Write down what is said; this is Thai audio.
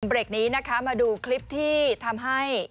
เบรกนี้นะคะมาดูคลิปที่ทำให้